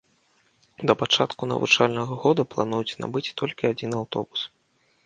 Да пачатку навучальнага года плануюць набыць толькі адзін аўтобус.